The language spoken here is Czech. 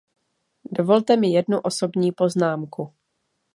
Dovolte mi jednu osobní poznámku.